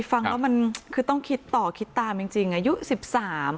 ฟังแล้วมันคือต้องคิดต่อคิดตามจริงจริงอายุสิบสาม